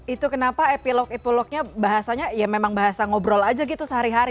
itu kenapa epilog epilognya bahasanya ya memang bahasa ngobrol aja gitu sehari hari